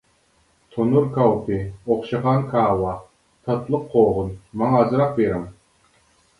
تونۇر كاۋىپى ئوخشىغان كاۋا تاتلىق قوغۇن ماڭا ئازراق بېرىڭ!